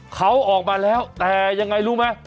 เขาออกมาแล้วแต่ยังไงรู้ไหม